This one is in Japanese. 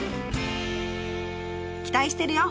期待してるよ！